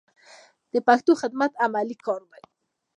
د پښتو خدمت عملي کار دی.